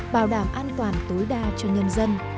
bảo đảm an toàn tối đa cho nhân dân